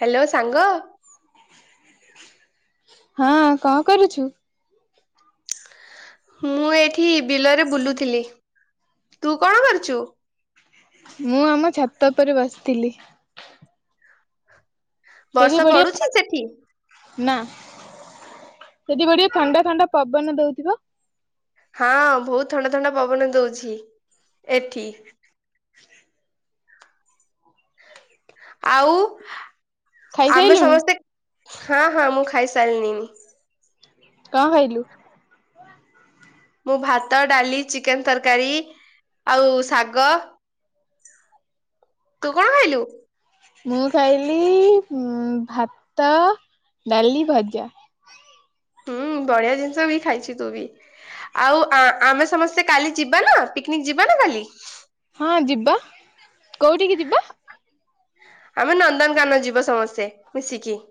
Hello ସାଙ୍ଗ ହଁ କଣ କରୁଛୁ? ମୁଁ ଏଇଠି ବିଲରେ ବୁଲୁଥିଲି ତୁ କଣ କରୁଛୁ? ମୁଁ ଆମ ଛାତ ଉପରେ ବସିଥିଲି। ସେଠି ବର୍ଷା ପଡୁଛି ବଢିଆ ସେଠି ନା ଯଦି ଗୋଟେ ଥଣ୍ଡା ଥଣ୍ଡା ପବନ ଦଉଥିବ। ହଁ ବହୁତ ଥଣ୍ଡା ଥଣ୍ଡା ପବନ ଦଉଛି ଏଠି। ଆଉ ଆମେ ଖାଇସାଇଲୁଣୁ? ସମସ୍ତେ ହଁ ହଁ ମୁଁ ଖାଇସାରିନିଣି। କଣ ଖାଇଲୁ? ମୁଁ ଭାତ ଡାଲି ଚିକେନ ତରକାରୀ ଆଉ ଶାଗ ତୁ କଣ ଖାଇଲୁ? ମୁଁ ଖାଇଲି ଭାତ ଡାଲି ଭଜା। ହୁଁ ବଢିଆ ଜିନିଷ ବି ଖାଇଛିୁ ତୁ ବି। ଆଉ ଆମେ ସମସ୍ତେ କାଲି ଯିବା ନା ପିକନିକ ଯିବା ନା କାଲି। ହଁ ଯିବା କୋଉଠିକି ଯିବା? ଆମେ ନନ୍ଦନକାନ ଯିବ ସମସ୍ତେ ମିଶିକି।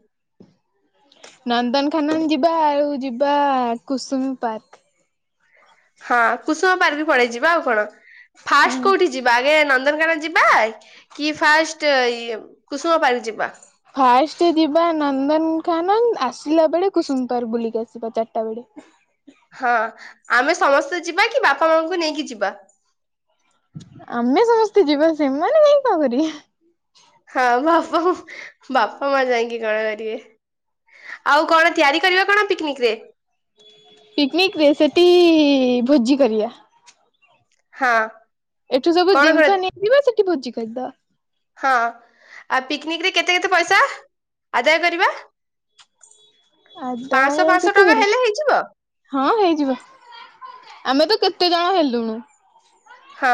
ନନ୍ଦନ ଖାନନ ଯିବା ଆଉ ଯିବା କୁସୁମ ପାର୍କ। ହଁ କୁସୁମ ପାର୍କ ପଳେଇ ଯିବା ଆଉ କଣ ହୁଁ। ଫାଷ୍ଟ କୋଉଠି ଯିବା ଆଗେ ନନ୍ଦନକାନ ଯିବା କି ଫାଷ୍ଟ କୁସୁମା ପାର୍କ ଯିବା। ଫାଷ୍ଟ ଯିବା ନନ୍ଦନ ଖାନନ ଆସିଲା ବେଳେ କୁସୁମ ପାର୍କ ବୁଲିକି ଆସିବା ଚାରିଟା ବେଳେ। ହଁ ଆମେ ସମସ୍ତେ ଯିବା କି ବାପା ମାଙ୍କୁ ନେଇକି ଯିବା। ଆମେ ସମସ୍ତେ ଯିବା ସେମାନୋନେ କାଇହିଁ କଣ କରିବେ। ହଁ ବାପା ବାପା ମା ଯାଇକି କଣ କରିବେ? ଆଉ କଣ ତିଆରି କରିବା କଣ ପିକନିକ ରେ। ପିକନିକ ରେ ସେଠି ଭୋଜି କରିବା। ହଁ। ଏଠୁ ସବୁ କଣ କଣ ଜିନିଷ ନେଇଯ ବା ସେଠି ଭୋଜି କରିଦବା। ହଁ ଆ ପିକନିକ ରେ କେତେ କେତେ ପଇସା ଆଦାୟ କରିବା। ପାଞ୍ଚଶହ ଆଦାୟ ପାଞ୍ଚଶହ କେତେ ଟଙ୍କା କରିବା? ହେଲେ ହେଇଯିବ। ହଁ ହେଇଯିବ ଆମେ ତ କେତେ ଜଣ ହେଲୁଣି। ହଁ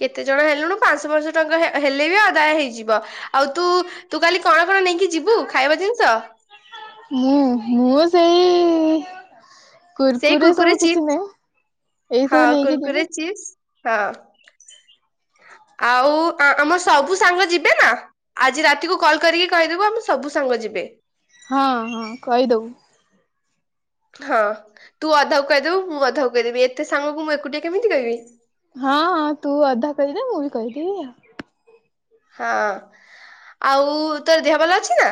କେତେ ଜଣ ହେଲୁଣିୁ ପାଞ୍ଚଶ ପାଞ୍ଚଶହ ଟଙ୍କା ହେଲେ ବି ଅଦାୟ ହେଇଯିବ। ଆଉ ତୁ ତୁ କାଲି କଣ କଣ ନେଇକି ଯିବୁ ଖାଇବା ଜିନିଷ। ମୁଁ ମୁଁ ସେଇ ସେଇ କୁର୍କୁରେ ସବୁ ଚିପ୍ସ କିଛି ନହିଁ ଏଇ ସବୁ ନେଇକି ଯିବି। ଚି୍ [unintelligible] ହଁ ଆଉ ଆମ ସବୁ ସାଙ୍ଗ ଯିବେ ନା। ଆଜି ରାତିକୁ କଲ୍ କରିକି କହିଦେବୁ ଆମେ ସବୁ ସାଙ୍ଗ ଯିବେ। ହଁ ହଁ କହିଦବୁ। ହଁ ତୁ ଅଧା କ କହିଦେବୁ ମୁଁ ଅଧା କ କହିଦେବି ଏତେ ସାଙ୍ଗକୁ ମୁଁ ଏକୁଟିଆ କେମିତି କହିବି। ହଁ ହଁ ତୁ ଅଧା କହିଦେ ମୁଁ ବି କହିଦେବି। ହଁ ଆଉ ତୋ ଦେହ ଭଲ ଅଛି ନା।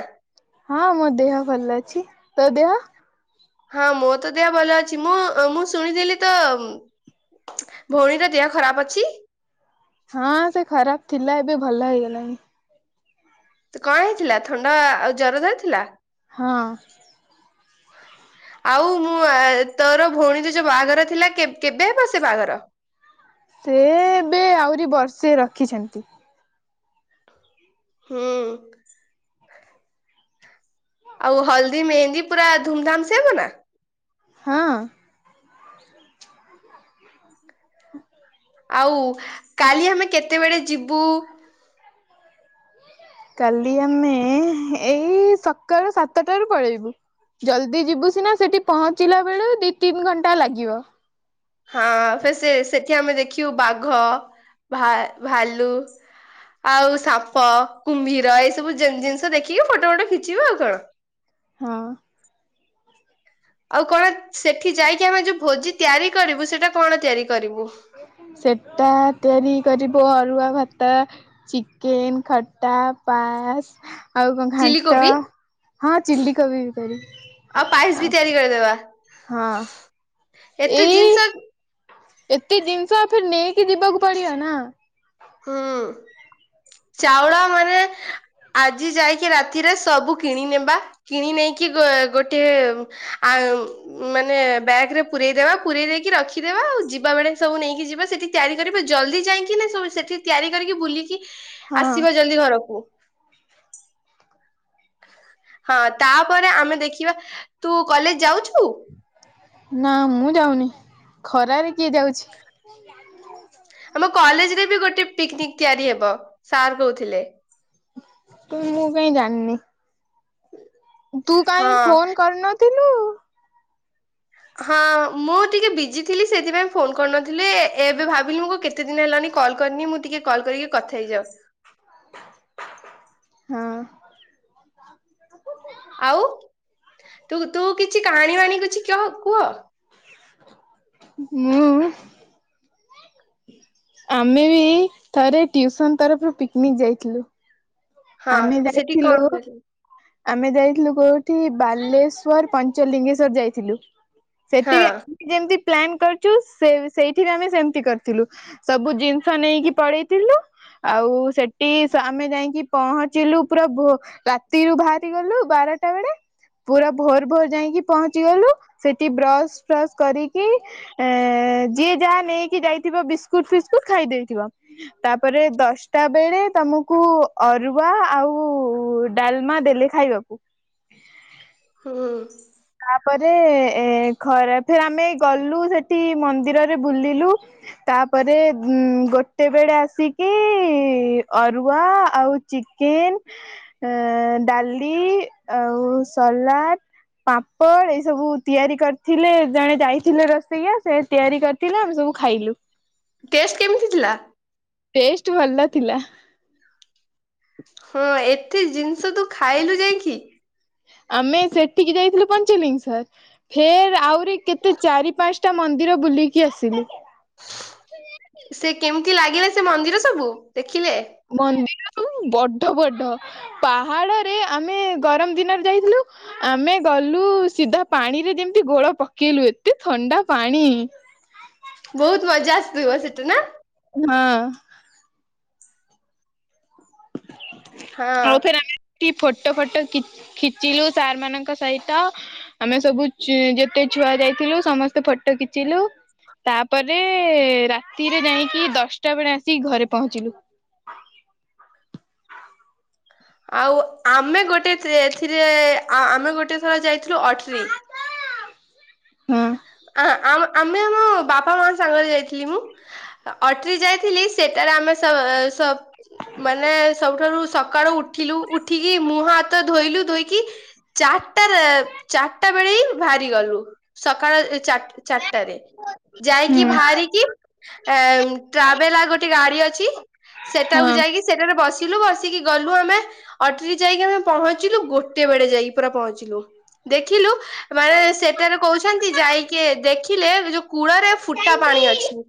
ହଁ ମୋ ଦେହ ଭଲ ଅଛି ତୋ ଦେହ। ହଁ ମୋ ତ ଦେହ ଭଲ ଅଛି ମୁଁ ମୁଁ ଶୁଣିଥିଲି ତ ଭଉଣୀର ଦେହ ଖରାପ ଅଛି। ହଁ ସେ ଖରାପ ଥିଲା ଏବେ ଭଲ ହେଇଗଲାଣି। ତ କଣ ହେଇଥିଲା ଥଣ୍ଡା ଆଉ ଜର ଧରିଥିଲା। ହଁ। [unintelligible] ଆଉ ମୁଁ ତୋର ଭଉଣୀ ତ ଯୋଉ ବାହାଘର ଥିଲା କେବେ ହେବ ସେ ବାହାଘର। ସେ ଏବେ ଆହୁରି ବର୍ଷେ ରଖିଛନ୍ତି। ହୁଁ। ଆଉ ହଳଦୀ ମେହେନ୍ଦୀ ପୁରା ଧୁମ୍ ଧାମ୍ ସେ ହବ ନା? ହଁ। [inaudible] ଆଉ କାଲି ଆମେ କେତେବେଳେ ଯିବୁ? କାଲି ଆମେ ଏଇ ସକାଳୁ ସାତଟାରୁ ପଳେଇବୁ। ଜଲ୍ଦି ଯିବୁ ସିନା ସେଠି ପହଞ୍ଚିଲା ବେଳୁ ଦି ତିନି ଘଣ୍ଟା ଲାଗିବ। ହଁ ଫେର ସେ ସେ ସେଠି ଆମେ ଦେଖିବୁ। ବାଘ, ଭା ଭାଲୁ। ଆଉ ସାପ, କୁମ୍ଭୀର ଏଇ ସବୁ ଜିନି ଜିନିଷ ଦେଖିକି ଫଟୋ ଫଟ ଖିଚିବ ଆଉ କଣ। ହଁ। ଆଉ କଣ ସେଠି ଯାଇକି ଆମେ ଯୋଉ ଭୋଜି ତିଆରି କରିବୁ। ସେଇଟା କଣ ତିଆରି କରିବୁ? ସେଟା ତିଆରି କରିବ। ଅରୁଆ ଭାତ ଚିକେନ, ଖଟା, ପାସ୍। ଆଉ କଣ ଚିଲି ଘାଣ୍ଟ। କୋବି ହଁ ଚିଲି କୋବି ବି କରିବି। ଆଉ ଦେଇଦବା। ହଁ ଏଇ ଜିନିଷ ଏତେ ଜିନିଷ ଆ ଫେର୍ ନେଇକି ଯିବାକୁ ପଡ଼ିବ ନା। ହୁଁ। ଚାଉଳ ମାନେ ଆଜି ଜାଇକି ରାତିରେ ସବୁ କିଣି ନେବା। କିଣି ନେଇକି ଗୋ ଗୋଟେ ଆ ମାନେ ବ୍ୟାଗ୍ ରେ ପୁରରେଇଦବା ପୁରରେଇ ଦେଇକି ରଖିଦେବା ଆଉ। ଯିବା ବେଳେ ବି ସବୁ ନେଇକି ଯିବା। ସେଠି ତିଆରି କରିବା। ଜଲ୍ଦି ଯାଇକି ନା ସବୁ ସେଠି ତିଆରି କରିକି। ବୁଲିକି ହଁ ଆସିବା ଜଲ୍ଦି ଘରକୁ ହଁ ତାପରେ ଆମେ ଦେଖିବା। ତୁ କଲେଜ ଯାଉଛୁ? ନା ମୁଁ ଯାଉନି। ଖରାରେ କିଏ ଯାଉଛି। [inaudible] ଆମ କଲେଜ୍ ରେ ବି ଗୋଟେ ପିକ୍ନିକ୍ ତିଆରି ହବ ସାର୍ କହୁଥିଲେ [inaudible] ମୁଁ କାଇଁ ଜାଣିନେଇଁ। [inaudible] ତୁ ହଁ କାଇଁ ଫୋନ୍ କରିନ ଥିଲୁ ହଁ ମୁଁ ଟିକେ ବିଜି ଥିଲି ସେଥିପାଇଁ ଫୋନ୍ କରିନଥିଲି। ଏବେ ଭାବିଲି ମୁଁ କେତ୍ କେତେଦିନ ହେଲାଣି କଲ୍ କରିନି ମୁଁ ଟିକେ କଲ୍ କରିକି କଥା ହେଇଯାଅ। [unintelligible] ହଁ [unintelligible] ଆଉ? ତୁ କିଛି କାହାଣୀ ବାହାଣି କିଛି କହ କୁହ। [unintelligible] ମୁଁ? ଆମେ ବି ଥରେ ଟ୍ୟୁସନ୍ ତରଫରୁ ପିକ୍ ନିକ୍ ଯାଇଥିଲୁ। ହଁ ଆମେ ସେଠି ଯାଇଥିଲୁ କଣ କରିଥିଲେ? ଆମେ ଯାଇଥିଲୁ କୋଉଠି? ବାଲେଶ୍ଵର ପାଞ୍ଚଲିଙ୍ଗେଶ୍ଵର ଯାଇଥିଲୁ ସେଠି ହଁ ବି ଆମେ ଯେମତି ପ୍ଲାନ୍ କରିଛୁ। ସେ ସେଇଠିରେ ଆମେ ସେମତି କରିଥିଲୁ। ସବୁ ଜିନିଷ ନେଇକି ପଳେଇଥିଲୁ। ଆଉ ସେଠି ସା ଆମେ ଯାଇକି ପହଞ୍ଚିଲୁ। ପୁରା ଭୋ ରା ତିରୁ ଭାହାରି ଗଲୁ ବାରଟା ବେଳେ। ପୁରା ଭୋର୍ ଭୋର୍ ଯାଇକି ପହଞ୍ଚି ଗଲୁ। ସେଠି ବ୍ରସ୍ ଫ୍ରସ୍ କରିକି ଏଁ ଯିଏ ଯାହା ନେଇକି ଯାଇଥିବ। ବିସ୍କୁଟ୍ ଫିସ୍କୁଟ୍ ଖାଇ ଦେଇଥିବ। ତାପରେ ଦଶଟା ବେଳେ ତମକୁ ଅରୁଆ ଆଉ ଡାଲ୍ମା ଦେଲେ ଖାଇବାକୁ? ହୁଁ। ତାପରେ, ଏ ଖରାଫ୍ ଆମେ ଗଲୁ ସେଠି ମନ୍ଦିରରେ ବୁଲିଲୁ। ତାପରେ ଉଁ ଗୋଟେ ବେଳେ ଆସିକି ଅରୁଆ ଆଉ ଚିକେନ୍, ଅଁ ଡାଲି, ଆଉ ସଲାଡ଼ ପାମ୍ପଡ, ଏଇ ସବୁ ତିଆରି କରିଥିଲେ। ଜଣେ ଯାଇଥିଲେ ରସ୍ ରୋସେଇଆ, ସେ ତିଆରି କରିଥିଲା ଆମେ ସବୁ ଖାଇଲୁ। ଟେଷ୍ଟ୍ କେମିତି ଥିଲା? ଟେଷ୍ଟ୍ ଭଲ ଥିଲା। ହଁ, ଏଠି ଜିନିଷ ତୁ ଖାଇଲୁ ଯାଇକି। ଆମେ ସେଠିକି ଯାଇଥିଲୁ ପଞ୍ଚ ଲିଙ୍ଗେଶ୍ୱର ଫେର୍ ଆହୁରି କେତେ ଚାରି, ପାଞ୍ଚଟା ମନ୍ଦିର ବୁଲିକି ଆସିଲୁ। ସେ କେମିତି ଲାଗିଲା ସେ ମନ୍ଦିର ସବୁ, ଦେଖିଲେ? ବହୁତୁ ବଡ ବଡ ପାହାଡରେ ଆମେ ଗରମ ଦିନରେ ଯାଇଥିଲୁ ଆମେ ଗଲୁ ସିଧା ପାଣିରେ ଯେମିତି ଗୋଡ ପକେଇଲୁ, ଏତେ ଥଣ୍ଡା ପାଣି। ବହୁତ୍ ମଜା ଆସିଥିବ ସେଠେ, ନା? ହଁ। ହଁ ଆଉ ଫେର ଆମେ ସେଠି ଫଟୋ ଫଟୋ ଖି ଖିଚିଲୁ ସାର୍ ମାନଙ୍କ ସହିତ ଆମେ ସବୁ ଯେତେ ଛୁଆ ଯାଇଥିଲୁ ସମସ୍ତେ ଫଟୋ ଖିଚିଲୁ। ତାପରେ ରାତିରେ ଯାଇଁକି ଦଶଟା ବେଳେ ଆସିକି ଘରେ ପହଞ୍ଚିଲୁ। ଆଉ ଆମେ ଗୋଟେ ଏଥି ଏଥିରେ ଆମେ ଗୋଟେ ଥର ଯାଇଥିଲୁ ଅଟ୍ରି। ହୁଁ ଆ ଆ ଆମେ ଆମ ବାପା ମା ସାଙ୍ଗରେ ଯାଇଥିଲି ମୁଁ। ଅଟରି ଯାଇଥିଲି ସେଟାରେ ଆମେ ସ ସବ ମାନେ ସବୁଠାରୁ ସକାଳୁ ଉଠ ଉଠିଲୁ ଉଠିକି ମୁହଁ ହାତ ଧୋଇଲୁ। ଧୋଇକି ଚାରିଟା ଚାରିଟା ବେଳେ ହିଁ ବାହାରି ଗଲୁ ସକାଳ ଚାର ଚାରଟାରେ। ଯାଇକି ହୁଁ। ବାହାରିକି, ଏ ଟ୍ରାଭେଲ ଆଉ ଗୋଟେ ଗାଡି ଅଛି ସେଟାକୁ ହଁ। ଯାଇକି ସେଟାରେ ବସିଲୁ, ବସିକି ଗଲୁ ଆମେ। ଅଟ୍ରି ଯାଇକି ଆମେ ପହଞ୍ଚିଲୁ। ଗୋଟେ ବେଳେ ଯାଇକି ପୁରା ପହଞ୍ଚିଲୁ। ଦେଖିଲୁ। ମାନେ ସେଟାରେ କହୁଛନ୍ତି ଯାଇକି ଦେଖିଲେ ଯୋଉ କୂଳରେ ଫୁଟା ପାଣି ଅଛି।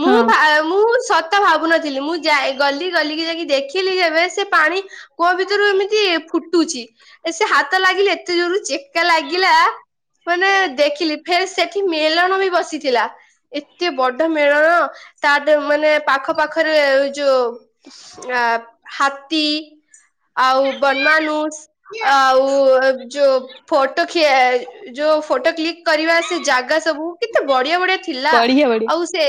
ମୁଁ ହଁ ଭା ମୁଁ ସତ ତ ଭାବୁନଥିଲି। ମୁଁ ଯାଇ ଗଲି ଗଲିକି ଯାଇକି ଦେଖିଲି ଯେବେ ସେ ପାଣି କୁଅ ଭିତରୁ ଏମିତି ଫୁଟୁଛି। ଏ ସେ ହାତ ଲାଗିଲେ ଏତେ ଜୋର ଚେକା ଲାଗିଲା ମାନେ ଦେଖିଲି, ଫେର ସେଠି ମେଲଣ ବି ବସିଥିଲା। ଏତେ ବଡ ମେଳଣ ତା ମାନେ ପାଖ ପାାଖରେ ଯୋଉ ଆ ହାତୀ, ଆଉ ବନମାନୁସ, ଆଉ ଯୋଉ ଫଟୋ ଯୋଉ ଖିଆ ଫଟୋ କ୍ଲିକ କରିବା ସେ ଜାଗା ସବୁ କେତେ ବଢିଆ ବଢିଆ ଥିଲା। ବଢିଆ ବଢିଆ ଆଉ ସିଏ,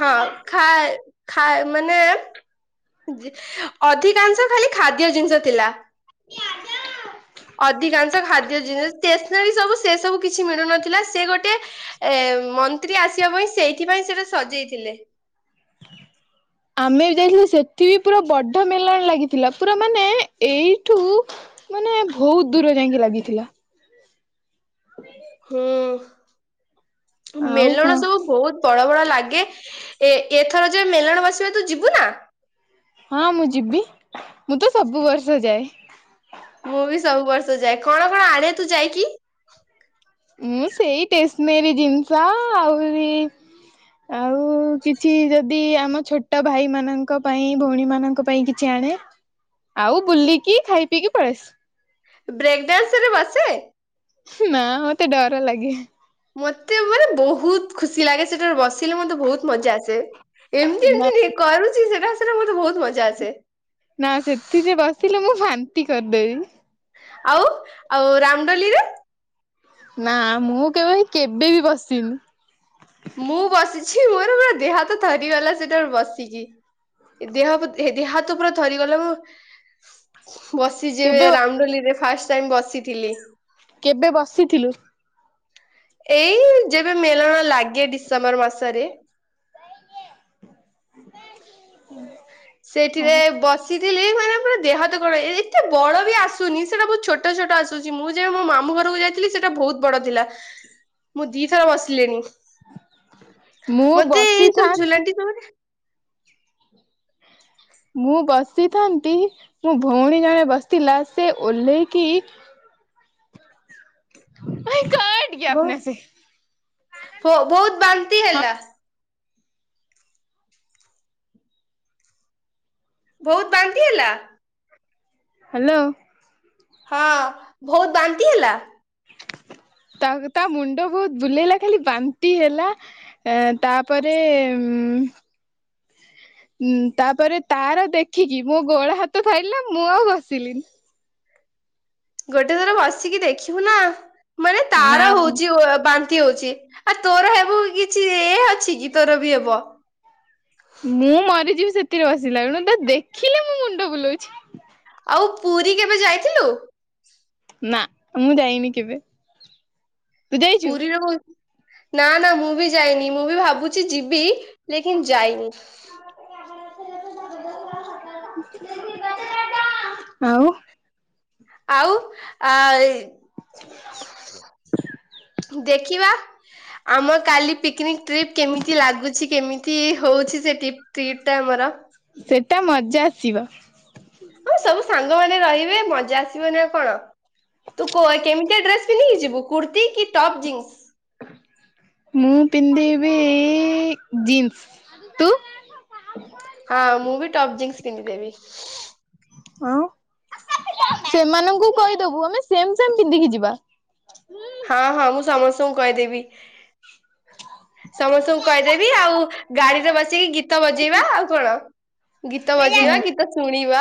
ହଁ ଖାଏ ଖାଏ ମାନେ ଅଧିକାଂଶ ଖାଲି ଖାଦ୍ୟ ଜିନିଷ ଥିଲା। ଅଧିକାଂଶ ଖାଦ୍ୟ ଜିନିଷ, ଷ୍ଟେସନାରୀ ସବୁ ସେ ସବୁ କିଛି ମିଳୁନଥିଲା। ସେ ଗୋଟେ ଏ ମନ୍ତ୍ରୀ ଆସିବା ପାଇଁ ସେଇଥି ପାଇଁ ସେଇଟା ସଜେଇଥିଲେ। ଆମେ ବି ଯାଇଥିଲୁ ସେଠି ବି ପୁରା ବଡ଼ ମେଲାଣ ଲାଗିଥିଲା। ପୁରା ମାନେ ଏଇଠୁ ମାନେ ବହୁତ ଦୂର ଯାଇଁକି ଲାଗିଥିଲା। ହଁ। [unintelligible] ହୁଁ, ଆଉ ମେଲଣ କଣ ସବୁ ବହୁତ ବଡ ବଡ ଲାଗେ। ଏ ଏଥର ଯେ ମେଲଣ ବସିବ ତୁ ଯିବୁ ନା? ହଁ, ମୁଁ ଯିବି। ମୁଁ ତ ସବୁ ବର୍ଷ ଯାଏ। ମୁଁ ବି ସବୁ ବର୍ଷ ଯାଏ। କଣ କଣ ଆଣେ ତୁ ଯାଇକି? ଉଁ ସେଇ ଟେସନେରି ଜିନିଷ, ଆହୁରି ଆଉ କିଛି ଯଦି ଯଦି ଆମ ଛୋଟ ଭାଇମାନାନଙ୍କ ପାଇଁ, ଭଉଣୀ ମାନଙ୍କ ପାଇଁ କିଛି ଆଣେ ଆଉ ବୁଲିକି, ଖାଇ ପିଇକି, ପଳେଇ ଆସେ। ବ୍ରେକ୍ ଡ୍ୟାନ୍ସ ରେ ବସେ? ନା, ମତେ ଡର ଲାଗେ। ମତେ ମାନେ ବହୁତ ଖୁସି ଲାଗେ, ସେଠାରେ ବସିଲେ ମତେ ବହୁତ ମଜା ଆସେ। ଏମିତି ନା ଏମିତି ଯିଏ କରୁଛି, ସେଠା ସେଠା ମତେ ବହୁତ ମଜା ଆସେ। ନା, ସେଥିରେ ବସିଲେ ମୁଁ ବାନ୍ତି କରିଦେବି। ଆଉ, ଆଉ ରାମ ଦୋଲି ରେ? ନା, ମୁଁ କେବେ କେବେ ବି ବସିନି। ମୁଁ ବସିଛି, ମୋର ପୁରା ଦେହ ହାତ ଥରିଗଲା ସେଟା ବସିକି। ଦେହ ଦେହ ହାତ ପୁରା ଧରିଗଲା। ମୁଁ ବସିଯିବେ, କେବେ ରାମ ଦୋଲିରେ ଫାଷ୍ଟ ଟାଇମ ବସିଥିଲି। କେବେ ବସିଥିଲୁ? ଏଇ ଯେବେ ମେଳଣ ଲାଗେ ଡିସେମ୍ବର ମାସରେ। [inaudible] ସେଥିରେ ଆଉ ବସିଥିଲି, ମାନେ ପୁରା ଦେହ ହାତ କଣ ହେଇଯାଏ। ଏତେ ବଡ ବି ଆସୁନି, ସେଇଟା ବହୁତ ଛୋଟ ଛୋଟ ଆସୁଛି, ମୁଁ ଯେବେ ମୋ ମାମୁ ଘରକୁ ଯାଇଥିଲି ଲି, ସେଟା ବହୁତ ବଡ ଥିଲା। ମୁଁ ଦି ଥର ବସିଲିଣି, ମୁଁ ମତେ ଏଇ ସବୁ ବସିଥାନ୍ତି ଝୁଲାଣ୍ଟି ତମରେ ମୁଁ ବସିଥାନ୍ତି, ମୋ ଭଉଣୀ ଜଣେ ବସିଥିଲା, ସେ ଓହ୍ଲେଇକି ଭାଇ କାଟ ଗୟା ଅପନେ ସେ [unintelligible] ବହୁତ ବାନ୍ତି ହେଲା, ବହୁତ ବାନ୍ତି ହେଲା? ହାଲୋ ହଁ, ବହୁତ ବାନ୍ତି ହେଲା? ତା, ତା ମୁଣ୍ଡ ବହୁତ ବୁଲେଇଲା ଖାଲି ବାନ୍ତି ହେଲା, ଏ ତାପରେ ଉଁ ଉଁ, ତାପରେ ତାର ଦେଖିକି ମୋ ଗୋଡ ହାତ ଥରିଲା, ମୁଁ ଆଉ ବସିଲିନି। ଗୋଟେ ଥର ବସିକି ଦେଖିବୁ ନା? ମାନେ ନା ତାର ହଉଛି ବା ନ୍ତି ହଉଛି। ଆଉ ତୋର ହେବ କିଛି ଏ ଅଛି କି ତୋର ବି ହେବ? ମୁଁ ମରିଯିବି ସେଥିରେ ବସିଲା ବେଳକୁ, ତାକୁ ଦେଖିଲେ ମୋ ମୁଣ୍ଡ ବୁଲଉଛି। ଆଉ ପୁରୀ କେବେ ଯାଇଥିଲୁ? ନା, ମୁଁ ଯାଇନି କେବେ। ଯାଇଛୁ? ପୁରୀରୁ, ନା, ନା, ମୁଁ ବି ଯାଇନି। ମୁଁ ବି ଭାବୁଛି ଯିବି। ଲେକିନ୍ ଯାଇନି। [unintelligible] ଆଉ ଆଉ, ଆ, ଇ [inaudible] ଦେଖିବା ଆମ କାଲି ପିକନିକ ଟ୍ରିପ୍ କେମିତି ଲାଗୁଛି କେମିତି ହଉଛି ସେ ଟିପ ଟ୍ରିପ୍ଟ ଟା ଆମର। ଆମ ସେଟା ମଜା ଆସିବ। ସବୁ ସାଙ୍ଗମାନେ ରହିବେ ମଜା ଆସିବ ନା ଆଉ କଣ? ତୁ କୋ କେମିତିଆ ଡ୍ରେସ ପିନ୍ଧିକି ଯିବୁ କୁର୍ତ୍ତି କି ଟପ୍ ଜିନ୍ସ। ମୁଁ ପିନ୍ଧହିବି ଜିନ୍ସ ତୁ? ହଁ ମୁଁ ବି ଟପ୍ ଜିନ୍ସ ପିନ୍ଧି ଦେବି। ଆଉ ସେମାନଙ୍କୁ କହିଦବୁ ଆମେ ସେମ ସେମ ପିନ୍ଧିକି ଯିବା। ହଁ ହଁ ମୁଁ ସମସ୍ତଙ୍କୁ କହିଦେବି। ସମସ୍ତଙ୍କୁ କହିଦେବି ଆଉ ଗାଡିରେ ବସିକି ଗୀତ ବଜେଇବା ଆଉ କଣ। ଗୀତା ବଜେଇବା ଗି ତ ଶୁଣିବା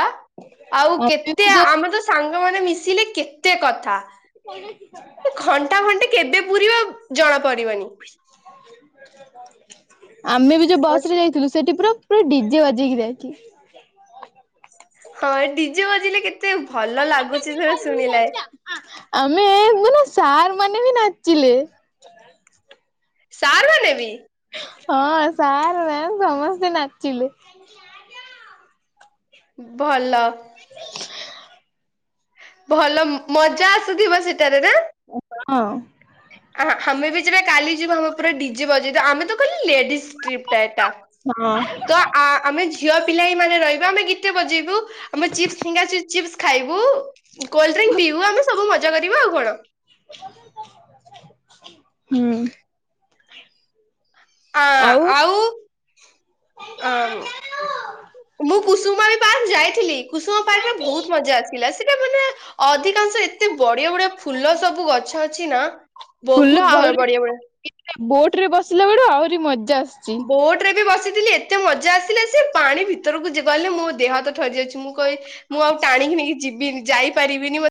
ଆଉ ଆମେ ବି କେତେ ଯୋଉ ଆମେ ତ ସାଙ୍ଗମାନେେ ମିଶିଲେ କେତେ କଥା। [unintelligible] ଟା ଘଣ୍ଟେ କେବେ ପୁରୀ ବ ଜଣାପଡିବନି। ଆମେ ବି ଯୋଉ ବସ ରେ ଯାଇଥିଲୁ ସେଠି ପୁରା ପୁରା ଡିଜେ ବାଜେଇକି ଯାଇଥିଲି। ହଁ ଡିଜେ ବଜେଇଲେ କେତେ ଭଲ ଲାଗୁଛି ସେ ଶୁଣିଲା ଆମେ ମାନେ ସାର୍ ମାନେ ବି ନାଚିଲେ। ସାର ମାନେ ବି ହଁ ସାର୍ ମ୍ୟାମ ସମସ୍ତେ ନାଚିଲେ। ଭଲ। ଭଲ ମଜା ଆସୁଥିବ ସେଟାରେ ନା। ହଁ। ଆ ଆମେ ବି ଯେବେ କାଲି ଯିବା ଆମେ ପୁରା ଡିଜେ ବଜେଇ ଆମେ ତ କହିଲେ ଲେଡିଜ ଟ୍ରିପ୍ ଟା ଏଟା। ହଁ। ତ ଆମେ ଝିଅ ପିଲା ହ ମାନେ ରହିବୁ ଆମେ ଗୀତେ ବଜେଇବୁ ଆମେ ଚିପ୍ସ ଫିଙ୍ଗର ଚିପ୍ସ ଖାଇବୁ କୋଲଡ୍ରିଙ୍କ୍ ପିଇବୁ ଆମେ ସବୁ ମଜା କରିବୁ ଆଉ କଣ? ହୁଁ। ଆ ଆଉ। ଆଉ ଅ ମୁଁ କୁସୁମ ବିୀ ପାର୍କ ଯାଇଥିଲି। କୁସୁମ ପାର୍କରେ ବହୁତ ମଜା ଆଥିଲା ସେଇଟା ମାନେ ଅଧିକାଂଶ ଏତେ ବଢିଆ ବଢିଆ ଫୁଲ ସବୁ ଗଛ ଅଛି ନା ଫୁଲ ବହୁତ ଭଲ ଆହୁରି ବଢିଆ ବଢିଆ ବୋଟରେ ବସିଲା ବେଳୁ ଆହୁରି ମଜା ଆସି ବୋଟ ରେ ବି ବସିଥିଲି। ଏତେ ମଜା ଆସିଲା ସେ ପାଣି ଭିତରକୁ ଯ ଗହଲେ ମୋ ଦେହ ହାତ ଠରିଯାଉଛି ମୁଁ କହିବି ମୁଁ ଆଉ ଟାଣିକି ନେଇକି ଯିବିନି ଯାଇପାରିବିନି ମତେ